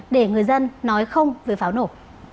để người dân nói không về pháo nổ